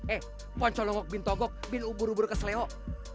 eh ponco longok bintogok biar ubur ubur ke selewok